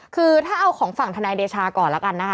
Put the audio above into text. คือถ้าเอาของฝั่งทนายเดชาก่อนแล้วกันนะคะ